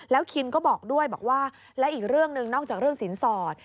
คินก็บอกด้วยบอกว่าและอีกเรื่องหนึ่งนอกจากเรื่องสินสอด